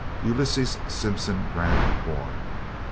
Ulysses Simpson Grant born.